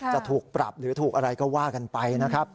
จะถูกปรับหรือถูกอะไรก็ว่ากันไปนะครับ